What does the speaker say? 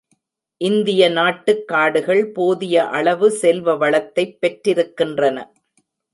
இந்திய நாட்டுக் காடுகள் போதிய அளவு செல்வ வளத்தைப் பெற்றிருக்கின்றன.